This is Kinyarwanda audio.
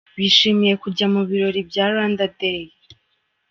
Bishimiye kujya mu birori bya Rwanda Day.